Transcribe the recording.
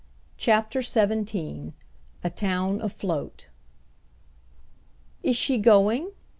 CHAPTER XVII A TOWN AFLOAT "Is she going?"